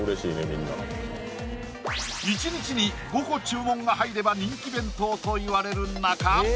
みんな１日に５個注文が入れば人気弁当といわれる中